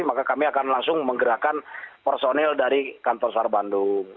maka kami akan langsung menggerakkan personil dari kantor sarbandung